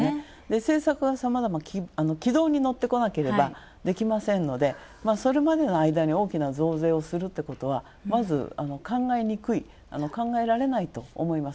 政策がさまざま、軌道にのってこなければできませんのでそれまでの間に大きな増税をするっていうのはまず考えにくい、考えられないと思います。